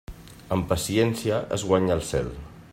Amb paciència es guanya el cel.